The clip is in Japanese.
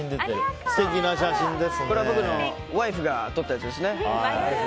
これは僕のワイフが撮ったやつですね。